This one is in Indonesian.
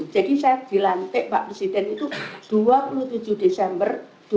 jadi saya dilantik pak presiden itu dua puluh tujuh desember dua ribu dua puluh